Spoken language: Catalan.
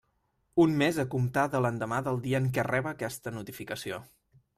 UN MES a comptar de l'endemà del dia en què reba aquesta notificació.